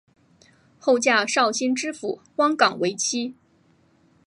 后嫁绍兴知府汪纲为妻。